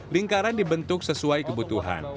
lingkaran dibentuk sesuai kebutuhan